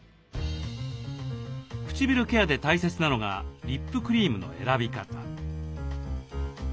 唇ケアで大切なのがリップクリームの選び方。